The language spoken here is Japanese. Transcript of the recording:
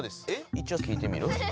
一おう聞いてみる？